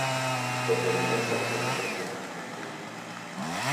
The entire Saxon force marched on Reading.